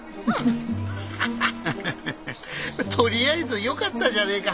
とりあえずよかったじゃねえか。